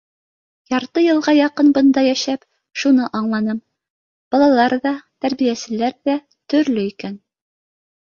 Ярты йылға яҡын бында йәшәп, шуны аңланым: балалар ҙа, тәрбиәселәр ҙә төрлө икән.